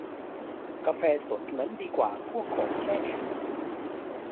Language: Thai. กาแฟสดนั้นดีกว่าพวกของแช่แข็ง